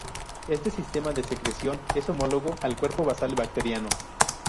Este sistema de secreción es homólogo al cuerpo basal bacteriano.